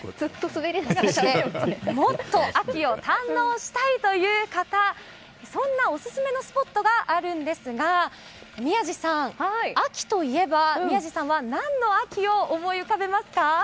そしてもっと秋を堪能したいという方オススメのスポットがあるんですが秋といえば、宮司さんは何の秋を思い浮かべますか？